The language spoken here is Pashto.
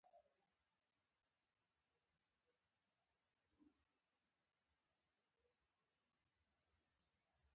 ګلاب د ادب نازولی ملګری دی.